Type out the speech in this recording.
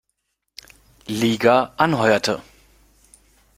Liga anheuerte.